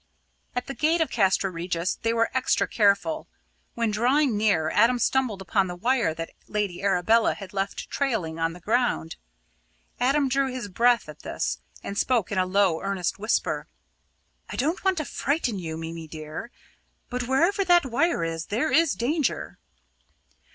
At the gate of Castra Regis they were extra careful. When drawing near, Adam stumbled upon the wire that Lady Arabella had left trailing on the ground. Adam drew his breath at this, and spoke in a low, earnest whisper: "I don't want to frighten you, Mimi dear, but wherever that wire is there is danger."